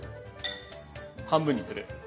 半分にする。